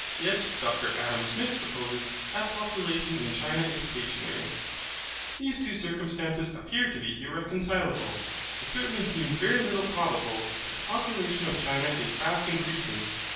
Yet Dr Adam Smith supposes that population in China is stationary. These two circumstances appear to be irreconcilable. It certainly seems very little probable that the population of China is fast increasing.